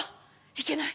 いけない！